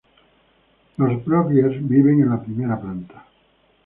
Los Broglie: Viven en la primera planta.